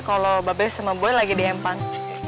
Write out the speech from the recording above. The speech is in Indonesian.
kalau mba be sama boe lagi diempang